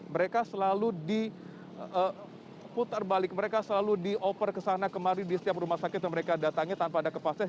mereka selalu diputar balik mereka selalu dioper ke sana kemari di setiap rumah sakit yang mereka datangi tanpa ada kepastian